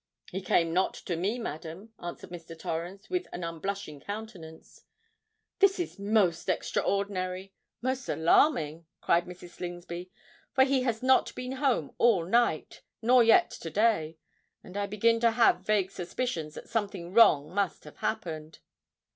"He came not to me, madam," answered Mr. Torrens, with an unblushing countenance. "This is most extraordinary—most alarming!" cried Mrs. Slingsby; "for he has not been home all night—nor yet to day—and I begin to have vague suspicions that something wrong must have occurred."